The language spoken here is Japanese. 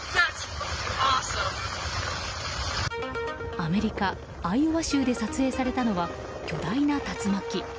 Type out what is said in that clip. アメリカ・アイオワ州で撮影されたのは巨大な竜巻。